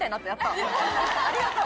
ありがとう。